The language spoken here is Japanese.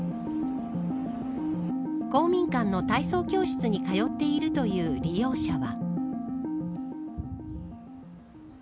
公民館の体操教室に通っているという利用者は。